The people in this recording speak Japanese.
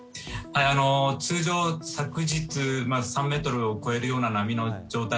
通常、昨日３ｍを超えるような波の状態